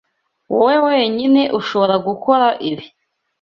Wowe wenyine ushobora gukora ibi.